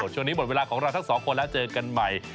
หมดเวลาของเราทั้งสองคนแล้วเจอกันใหม่